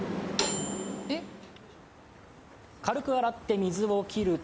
軽く洗って水を切ると。